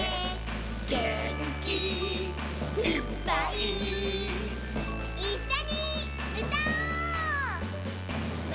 「げんきいっぱい」「いっしょにうたおう！」